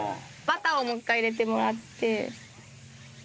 バターをもう一回入れてもらって。